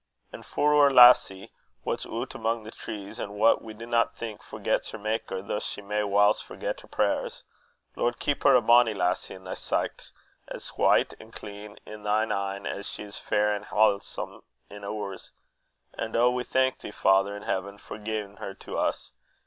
An' for oor lassie, wha's oot amo' thy trees, an' wha' we dinna think forgets her Maker, though she may whiles forget her prayers, Lord, keep her a bonnie lassie in thy sicht, as white and clean in thy een as she is fair an' halesome in oors; an' oh! we thank thee, Father in heaven, for giein' her to us.